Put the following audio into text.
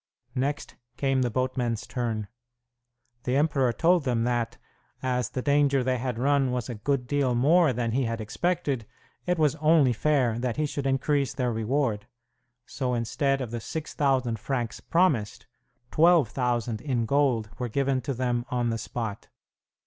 Next came the boatmen's turn. The emperor told them that, as the danger they had run was a good deal more than he had expected, it was only fair that he should increase their reward; so instead of the 6,000 francs promised, 12,000 in gold were given to them on the spot.